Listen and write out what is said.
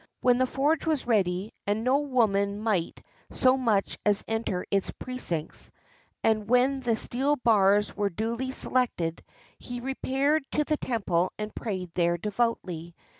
When the forge was ready (and no woman might so much as enter its precincts), and when the steel bars were duly selected, he repaired to the temple and prayed there devoutly.